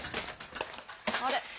あれ？